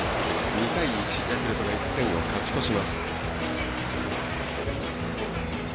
２対１ヤクルトが１点を勝ち越します。